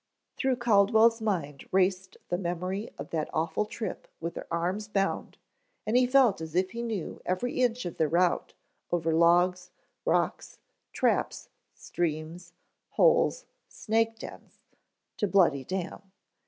Through Caldwell's mind raced the memory of that awful trip with their arms bound and he felt as if he knew every inch of the route over logs, rocks, traps, streams, holes, snake dens to Bloody Dam.